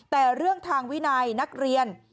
แต่เรื่องทางวินัยนักเรียน